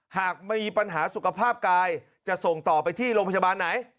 หากมีปัญหาสุขภาพกายจะส่งต่อไปที่โรงพยาบาลไหน